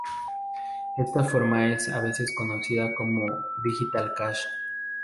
Esta forma es a veces conocida como "Digital Cash".